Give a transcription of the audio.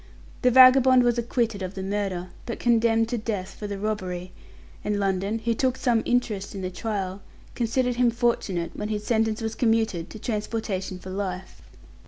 The vagabond was acquitted of the murder, but condemned to death for the robbery, and London, who took some interest in the trial, considered him fortunate when his sentence was commuted to transportation for life.